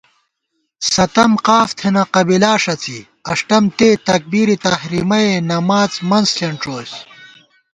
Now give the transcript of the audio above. ستم قاف تھنہ قبِلا ݭڅی، اݭٹم تے، تکبیر تحریمَئےنماڅ منز ݪېنڄوئیس